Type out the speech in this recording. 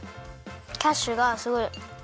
キャッシュがすごいあのあれ。